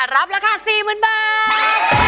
รับราคา๔๐๐๐บาท